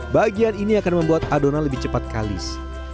bagian ini akan membuat adonan lebih cepat kalis